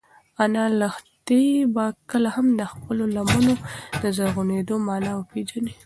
ایا لښتې به کله هم د خپلې لمنې د زرغونېدو مانا وپېژني؟